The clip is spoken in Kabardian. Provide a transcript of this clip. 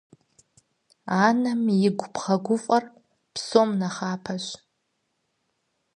Анэм игу бгъэгуфӏэр псом нэхъапэщ.